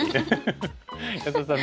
安田さん